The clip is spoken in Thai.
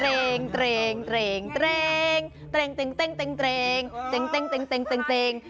เตรกเตรงเตรงเตรงเตรงเตรงเตรงเตรง